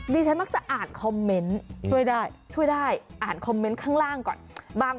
ดิฉันมักจะอ่านคอมเมนต์ช่วยได้ช่วยได้อ่านคอมเมนต์ข้างล่างก่อน